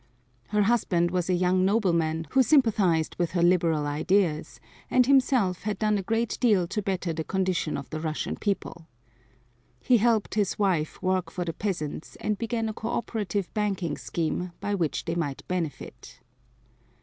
Her husband was a young nobleman who sympathized with her liberal ideas, and himself had done a great deal to better the condition of the Russian people. He helped his wife work for the peasants and began a cooperative banking scheme by which they might benefit.